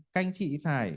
các anh chị phải